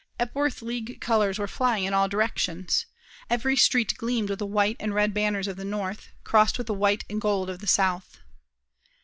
Epworth League colors were flying in all directions. Every street gleamed with the white and red banners of the North, crossed with the white and gold of the South.